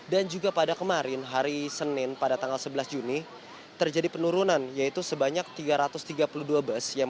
dan juga pada kemarin hari senin pada tanggal sebelas juni terjadi penurunan yaitu sebanyak tiga ratus tiga puluh dua bus yang